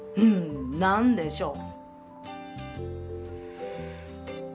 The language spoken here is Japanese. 何でしょう？